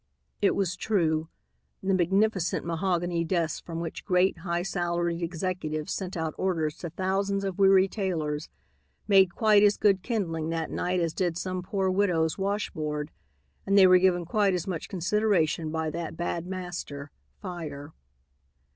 It was true. The magnificent mahogany desks from which great, high salaried executives sent out orders to thousands of weary tailors, made quite as good kindling that night as did some poor widow's washboard, and they were given quite as much consideration by that bad master, fire.